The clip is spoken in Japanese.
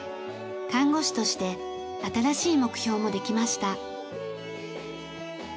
看護師として新しい目標もできました。